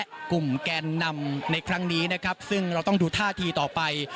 และกลุ่มแกนนำในครั้งนี้นะครับซึ่งเราต้องดูท่าทีต่อไป